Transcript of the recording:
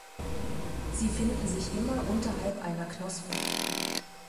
Sie finden sich immer unterhalb einer Knospe.